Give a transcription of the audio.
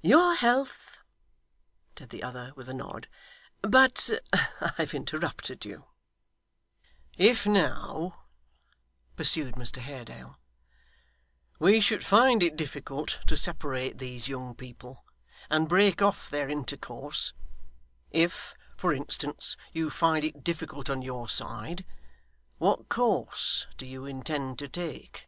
'Your health!' said the other, with a nod. 'But I have interrupted you ' 'If now,' pursued Mr Haredale, 'we should find it difficult to separate these young people, and break off their intercourse if, for instance, you find it difficult on your side, what course do you intend to take?